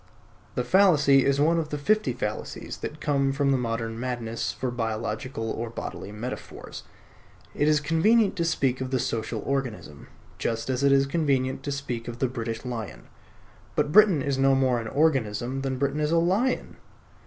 The fallacy is one of the fifty fallacies that come from the modern madness for biological or bodily metaphors. It is convenient to speak of the Social Organism, just as it is convenient to speak of the British Lion. But Britain is no more an organism than Britain is a lion.